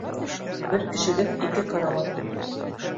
Бер кешелек ике карауат